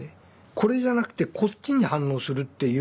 これじゃなくてこっちに反応するっていう。